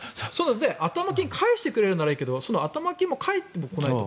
頭金を返してくれるならいいけどその頭金も返ってこないと。